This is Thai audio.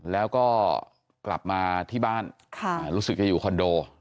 แล้วก็กลับมาที่บ้านรู้สึกจะอยู่คอนโด